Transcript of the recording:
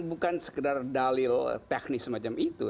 bukan sekedar dalil teknis semacam itu